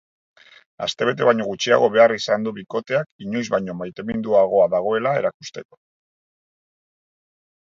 Astebete baino gutxiago behar izan du bikoteak inoiz baino maiteminduagoa dagoela erakusteko.